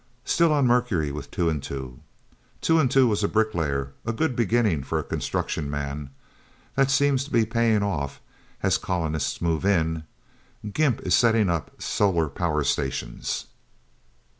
"Still on Mercury, with Two and Two. Two and Two was a bricklayer, a good beginning for a construction man. That seems to be paying off, as colonists move in. Gimp is setting up solar power stations."